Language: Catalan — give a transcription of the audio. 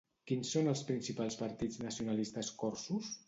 Quins són els principals partits nacionalistes corsos?